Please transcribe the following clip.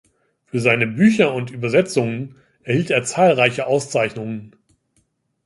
Für seine Bücher und Übersetzungen erhielt er zahlreiche Auszeichnungen.